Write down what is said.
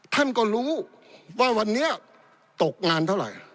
ท่านก็รู้ว่าวันนี้ตกงานเท่าไหร่